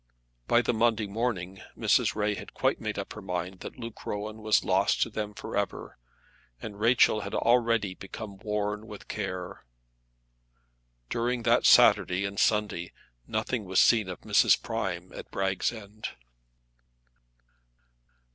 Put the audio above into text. By the Monday morning Mrs. Ray had quite made up her mind that Luke Rowan was lost to them for ever, and Rachel had already become worn with care. During that Saturday and Sunday nothing was seen of Mrs. Prime at Bragg's End.